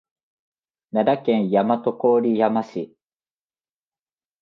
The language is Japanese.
奈良県大和郡山市